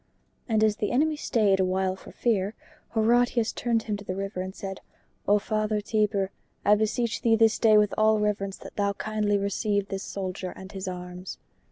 And as the enemy stayed a while for fear, Horatius turned him to the river and said, "O Father Tiber, I beseech thee this day with all reverence that thou kindly receive this soldier and his arms."